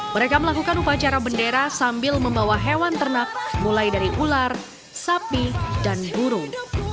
mereka melakukan upacara bendera sambil membawa hewan ternak mulai dari ular sapi dan burung